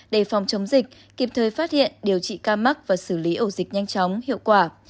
để phòng chống dịch kịp thời phát hiện điều trị ca mắc và xử lý ổ dịch nhanh chóng hiệu quả